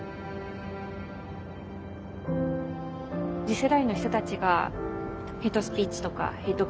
次世代の人たちがヘイトスピーチとかヘイト